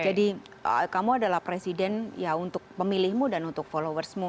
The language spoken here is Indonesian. jadi kamu adalah presiden ya untuk pemilihmu dan untuk followersmu